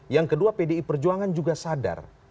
yang kedua pdi perjuangan juga sadar